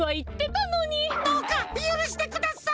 どうかゆるしてください！